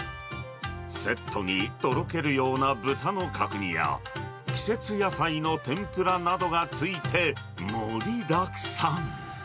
セットにとろけるような豚の角煮や、季節野菜の天ぷらなどがついて盛りだくさん。